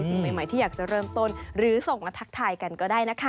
สิ่งใหม่ที่อยากจะเริ่มต้นหรือส่งมาทักทายกันก็ได้นะคะ